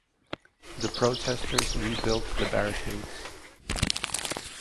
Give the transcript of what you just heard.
The protestors rebuilt the barricades.